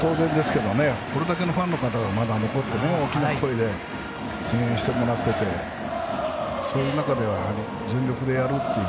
これだけファンの方がまだ残って大きな声で声援してもらっていてそういう中では全力でやるっていう。